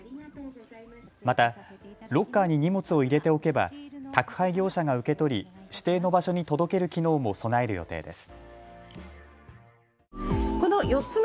またロッカーに荷物を入れておけば宅配業者が受け取り、指定の場所に届ける機能も備える予定です。